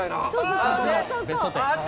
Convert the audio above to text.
「ベストテン」。